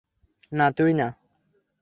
না, তুই না।